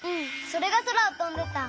それがそらをとんでた。